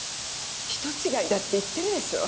人違いだって言ってるでしょ。